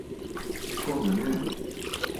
Ко га нема?